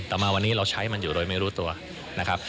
มาวันนี้เราใช้มันอยู่โดยไม่รู้ตัวนะครับ